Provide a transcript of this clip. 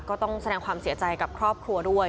ก็ต้องแสดงความเสียใจกับครอบครัวด้วย